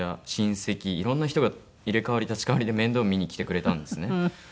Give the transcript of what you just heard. いろんな人が入れ代わり立ち代わりで面倒見に来てくれたんですね。